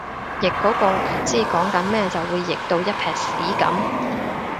譯嗰個唔知講緊乜就會譯到一坺屎噉